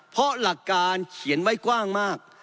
เพราะหลักการเขียนไว้กว้างมาก